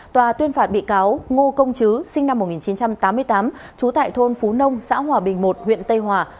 tòa tuyên phạt bị cáo ngô công chứ sinh năm một nghìn chín trăm tám mươi tám trú tại thôn phú nông xã hòa bình một huyện tây hòa